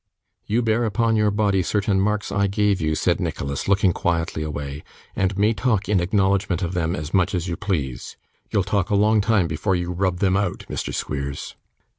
'You bear upon your body certain marks I gave you,' said Nicholas, looking quietly away, 'and may talk in acknowledgment of them as much as you please. You'll talk a long time before you rub them out, Mr Squeers.